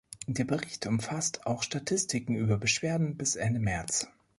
Der Bericht umfasst auch Statistiken über Beschwerden bis Ende März.